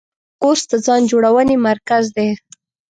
کورس د ځان جوړونې مرکز دی.